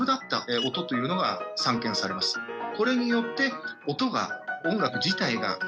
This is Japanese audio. これによって音が。